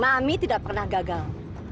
mami tidak pernah gagal